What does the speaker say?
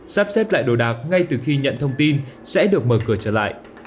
sắp xếp lại đồ đạc ngay từ khi nhận thông tin sẽ được mở cửa trở lại